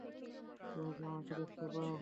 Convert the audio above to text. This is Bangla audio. তুমি কি আমাকে দেখতে পাও?